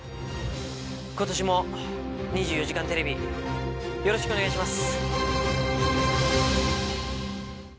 今年も『２４時間テレビ』よろしくお願いします。